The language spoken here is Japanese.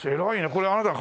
これあなたが。